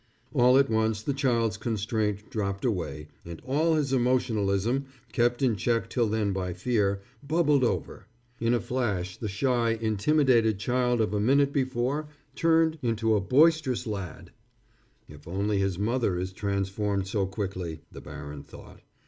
All at once the child's constraint dropped away, and all his emotionalism, kept in check till then by fear, bubbled over. In a flash the shy, intimidated child of a minute before turned into a boisterous lad. "If only his mother is transformed so quickly," the baron thought.